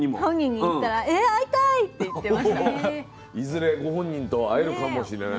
いずれご本人と会えるかもしれない。